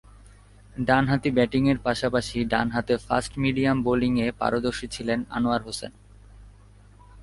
ডানহাতি ব্যাটিংয়ের পাশাপাশি ডানহাতে ফাস্ট-মিডিয়াম বোলিংয়ে পারদর্শী ছিলেন আনোয়ার হোসেন।